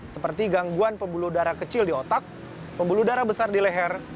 seperti gangguan pembuluh darah kecil di otak pembuluh darah besar di leher